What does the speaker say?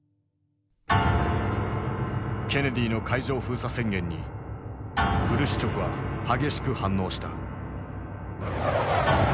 ケネディの海上封鎖宣言にフルシチョフは激しく反応した。